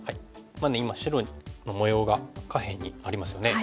今白の模様が下辺にありますよね。